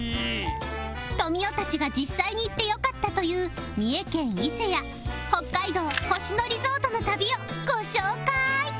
とみおたちが実際に行って良かったという三重県伊勢や北海道星野リゾートの旅をご紹介！